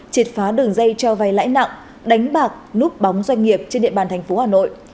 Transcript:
triệt phá đường dây cho vay lãi nặng đánh bạc núp bóng doanh nghiệp trên địa bàn thành phố hà nội